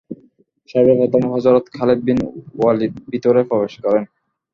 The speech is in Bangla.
সর্বপ্রথম হযরত খালিদ বিন ওলীদ ভিতরে প্রবেশ করেন।